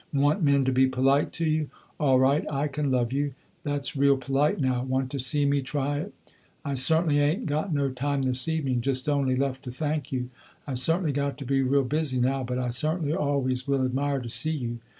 Want men to be polite to you? All right, I can love you, that's real polite now, want to see me try it." "I certainly ain't got no time this evening just only left to thank you. I certainly got to be real busy now, but I certainly always will admire to see you."